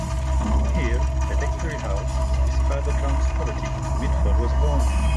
Here, at Exbury House, his father John's property, Mitford was born.